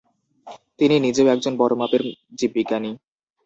তিনি নিজেও ছিলেন একজন বড় মাপের জীববিজ্ঞানী।